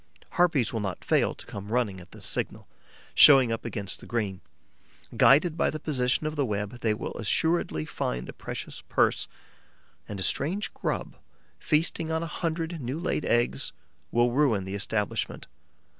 Harpies will not fail to come running at this signal, showing up against the green; guided by the position of the web, they will assuredly find the precious purse; and a strange grub, feasting on a hundred new laid eggs, will ruin the establishment.